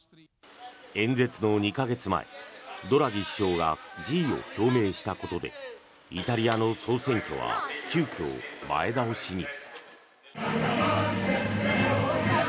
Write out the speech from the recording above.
演説の２か月前、ドラギ首相が辞意を表明したことでイタリアの総選挙は急きょ、前倒しに。